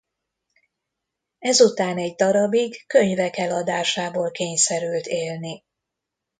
Ezután egy darabig könyvek eladásából kényszerült élni.